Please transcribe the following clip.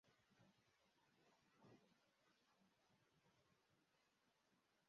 umugabo wambaye beret atwara igare